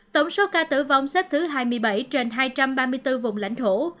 tổng số ca tử vong xếp thứ hai mươi bảy trên hai trăm ba mươi bốn vùng lãnh thổ